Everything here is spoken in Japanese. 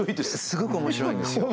すごく面白いんですよ。